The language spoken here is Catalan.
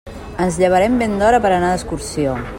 Ens llevarem ben d'hora per anar d'excursió.